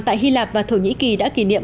tại hy lạp và thổ nhĩ kỳ đã kỷ niệm